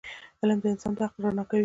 علم د انسان عقل رڼا کوي.